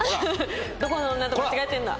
どこの女と間違えてるんだ！